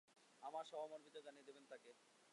আমার সহমর্মিতা জানিয়ে দেবেন তাকে।